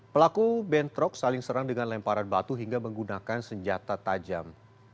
pelaku bentrok saling serang dengan lemparan batu hingga menggunakan senjata tajam